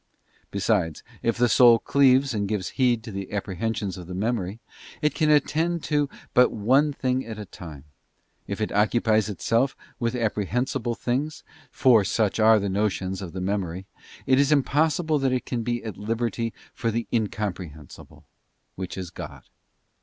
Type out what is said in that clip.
Besides, if the soul cleaves and gives heed to the apprehensions of the memory—it can attend to but one thing at a time—if it occupies itself with apprehensible things, for such are the notions of the memory, it is impossible that it can be at liberty for the Incomprehensible, which is God.